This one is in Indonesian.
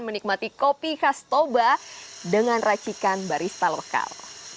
menikmati kopi khas toba dengan racikan barista lokal